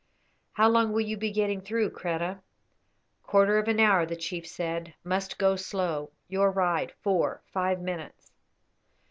"How long will you be getting through, Kreta?" "Quarter of an hour," the chief said; "must go slow. Your ride four, five minutes."